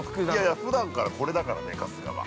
◆いや、ふだんからこれだからね春日は。